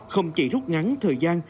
không chỉ rút ngắn thời gian